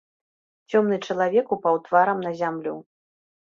Цёмны чалавек упаў тварам на зямлю.